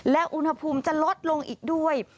และอุณหภูมิจะลดลงอีกด้วย